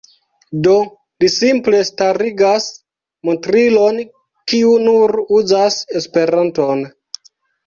Do, li simple starigas montrilon, kiu nur uzas Esperanton.